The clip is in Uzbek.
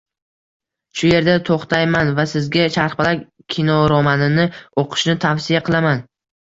Shu yerda toʻxtayman va sizga Charxpalak kinoromanini oʻqishni tavsiya qilaman